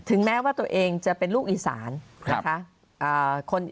แม้ว่าตัวเองจะเป็นลูกอีสานนะคะ